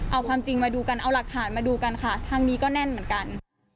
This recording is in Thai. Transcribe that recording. เอาความจริงมาดูกันเอาหลักฐานมาดูกันค่ะทางนี้ก็แน่นเหมือนกัน